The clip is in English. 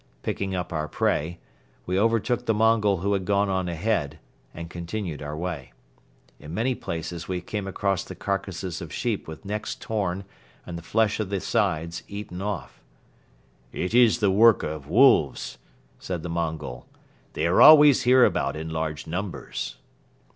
Picking up our prey, we overtook the Mongol who had gone on ahead and continued our way. In many places we came across the carcasses of sheep with necks torn and the flesh of the sides eaten off. "It is the work of wolves," said the Mongol. "They are always hereabout in large numbers."